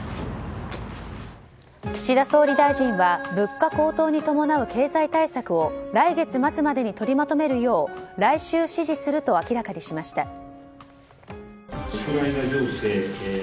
岸田総理大臣は物価高騰に伴う経済対策を来月末までに取りまとめるよう来週指示すると明らかにしました。